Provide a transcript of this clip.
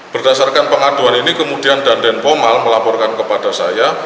berdasarkan pengaduan ini kemudian danden pomal melaporkan kepada saya